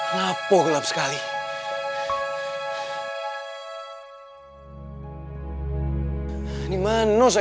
ya maksudnya kita harus pulang di jakarta